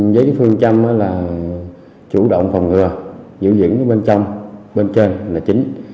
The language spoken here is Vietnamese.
với phương châm là chủ động phòng ngừa giữ dưỡng bên trong